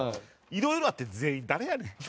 いろいろあって全員誰やねん。